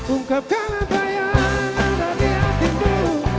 ungkapkan kekayaan anda di hatimu